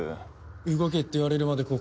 動けって言われるまでここから動くな。